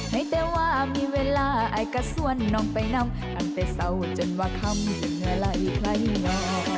ให้แต่ว่ามีเวลาไอ้ก็สวนน้องไปนำอันแต่เศร้าจนว่าคำเห็นอะไรใครหน่อ